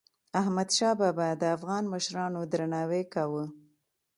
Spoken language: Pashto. احمدشاه بابا د افغان مشرانو درناوی کاوه.